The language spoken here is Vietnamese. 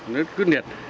nó rất quyết liệt